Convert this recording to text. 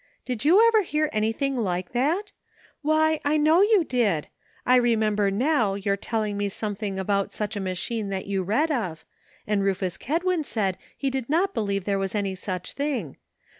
Did you ever hear anything like that? Why, I know you did ! I remember now your telling me some thing about such a machine that you read of, 260 LEARNING. and Rufus Kedwin said he did not believe there was any such thing.